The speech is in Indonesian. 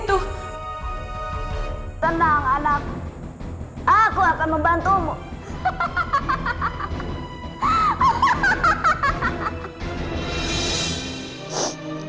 sudah nawansi berhentilah menangis